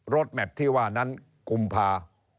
แมพที่ว่านั้นกุมภา